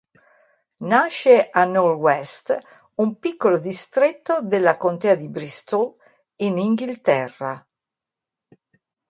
Nasce a Knowle West, un piccolo distretto della contea di Bristol, in Inghilterra.